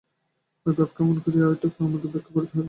ঐ ভাব কেমন করিয়া আসে, এটুকুই আমাদের ব্যাখ্যা করিতে হইবে।